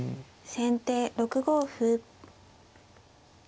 先手６五歩。